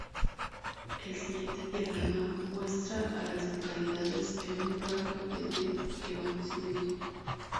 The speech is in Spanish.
El siguiente diagrama muestra a las localidades en un radio de de Evansville.